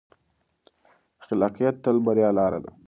خلاقیت تل د بریا لاره ده.